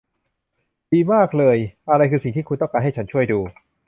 ดีมากเลย อะไรคือสิ่งที่คุณต้องการให้ฉันช่วยดู